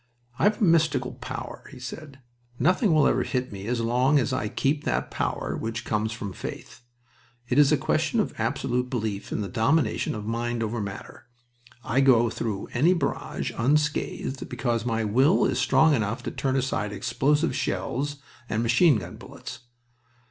"I have a mystical power," he said. "Nothing will ever hit me as long as I keep that power which comes from faith. It is a question of absolute belief in the domination of mind over matter. I go through any barrage unscathed because my will is strong enough to turn aside explosive shells and machine gun bullets.